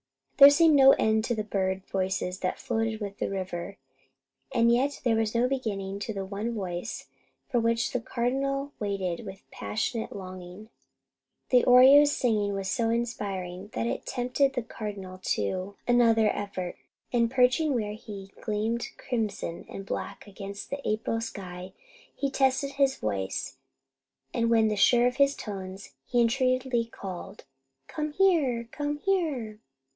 There seemed no end to the bird voices that floated with the river, and yet there was no beginning to the one voice for which the Cardinal waited with passionate longing. The oriole's singing was so inspiring that it tempted the Cardinal to another effort, and perching where he gleamed crimson and black against the April sky, he tested his voice, and when sure of his tones, he entreatingly called: "Come here! Come here!"